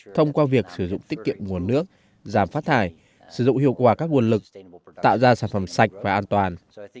thông qua việc sử dụng tiết kiệm nguồn nước giảm phát thải sử dụng hiệu quả các nguồn lực tạo ra sản phẩm sạch và an toàn